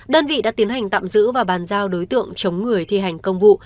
đơn vị đã tiến hành tạm giữ và bàn giao đối tượng chống người thi hành công vụ